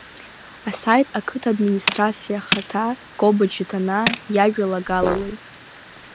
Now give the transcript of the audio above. Асаит ақыҭа Администрациа Ахада Коба Ҷыҭанаа иажәалагалалеи.